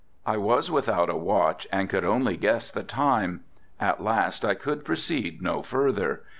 I was without a watch and could only guess the time. At last I could proceed no further.